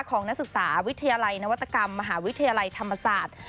นักศึกษาวิทยาลัยนวัตกรรมมหาวิทยาลัยธรรมศาสตร์